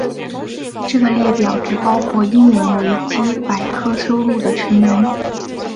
这个列表只包括英文维基百科收录的成员。